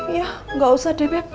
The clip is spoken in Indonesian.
iya gak usah deh beb